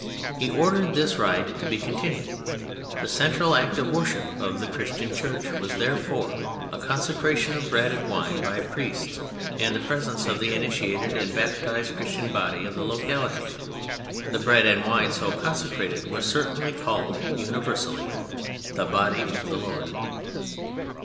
He ordered this rite to be continued. The central act of worship of the Christian Church was therefore a consecration of bread and wine by priests in the presence of the initiated and baptized Christian body of the locality. The bread and wine so consecrated were certainly called (universally) the Body of the Lord.